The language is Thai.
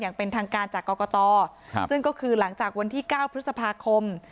อย่างเป็นทางการจากกรกตซึ่งก็คือหลังจากวันที่เก้าพฤษภาคม